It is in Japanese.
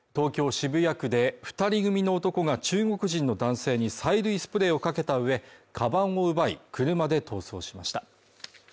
渋谷区で２人組の男が中国人の男性に催涙スプレーをかけた上、カバンを奪い、車で逃走しました。